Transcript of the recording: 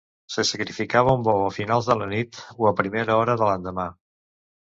Se sacrificava un bou a finals de la nit o a primera hora de l'endemà.